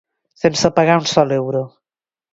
Sense pagar un sol euro.